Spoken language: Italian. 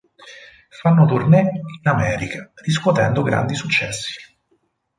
Fanno tournée in America riscuotendo grandi successi.